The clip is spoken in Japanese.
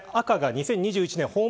赤が２０２１年